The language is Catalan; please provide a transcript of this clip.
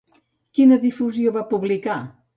Quina difusió va publicar?